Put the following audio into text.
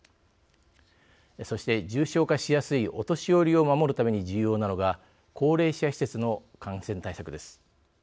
そして、重症化しやすいお年寄りを守るために重要なのが高齢者施設の感染対策です。